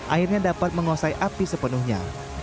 akhirnya dapat mengosai api sepenuhnya